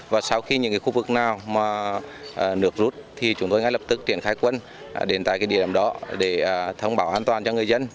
và sau khi những khu vực nào nược rút thì chúng tôi ngay lập tức triển khai quân đến tại địa đoạn đó để thông báo an toàn cho người dân